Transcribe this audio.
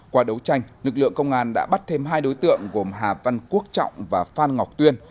qua đấu tranh lực lượng công an đã bắt thêm hai đối tượng gồm hà văn quốc trọng và phan ngọc tuyên